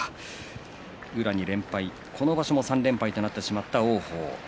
宇良に連敗、この場所も３連敗となってしまった王鵬。